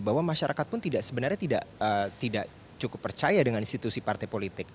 bahwa masyarakat pun sebenarnya tidak cukup percaya dengan institusi partai politik